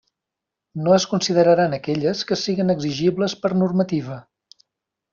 No es consideraran aquelles que siguen exigibles per normativa.